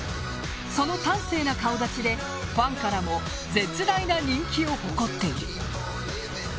その端正な顔立ちでファンからも絶大な人気を誇っている。